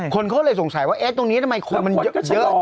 คนเขาเลยสงสัยว่าตรงนี้มันเยอะจัน